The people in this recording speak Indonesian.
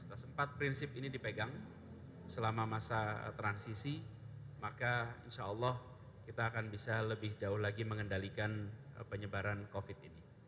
di mana persen kapasitas empat prinsip ini dipegang selama masa transisi maka insyaallah kita akan bisa lebih jauh lagi mengendalikan penyebaran covid sembilan belas